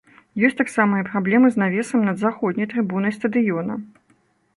Ёсць таксама і праблемы з навесам над заходняй трыбунай стадыёна.